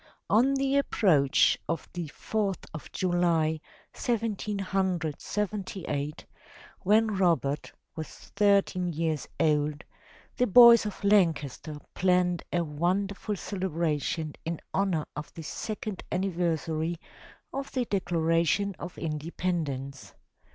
On the approach of the Fourth of July, 1778, when Robert 397 MY BOOK HOUSE was thirteen years old, the boys of Lancaster planned a won derful celebration in honor of the second anniversary of the Declaration of Independence.